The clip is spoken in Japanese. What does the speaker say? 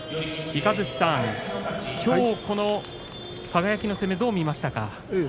雷さん、きょうこの輝の攻めどう見ましたか。